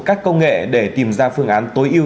các công nghệ để tìm ra phương án tối ưu